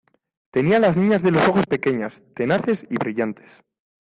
tenía las niñas de los ojos pequeñas, tenaces y brillantes